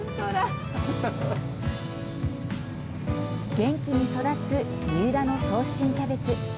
元気に育つ三浦の早春キャベツ。